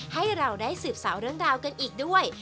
ให้เราได้สืบสาวเรื่องราวกันอีกด้วย